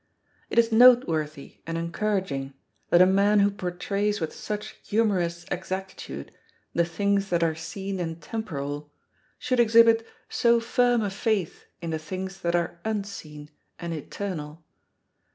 It is noteworthy and encouraging that a man who portrays with such humorous exactitude the things that are seen and temporal, should exhibit so firm a faith in the things that are unseen and eternal.